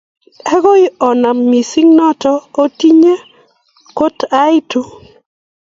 Ago onam mising' noto otinye kot aitu.